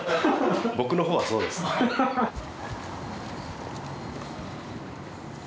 僕のほうはそうですね。